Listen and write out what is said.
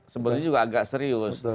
sebenarnya juga agak serius